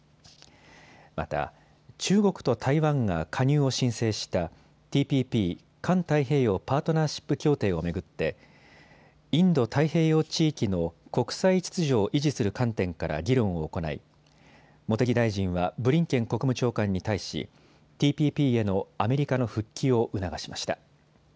また中国と台湾が加入を申請したＴＰＰ・環太平洋パートナーシップ協定を巡ってインド太平洋地域の国際秩序を維持する観点から議論を行い、茂木大臣はブリンケン国務長官に対し、ＴＰＰへのアメリカの復帰を促しました。